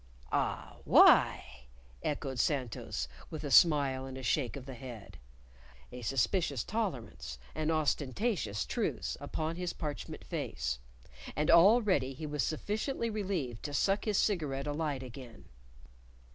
"Ah, why!" echoed Santos, with a smile and a shake of the head; a suspicious tolerance, an ostentatious truce, upon his parchment face. And already he was sufficiently relieved to suck his cigarette alight again.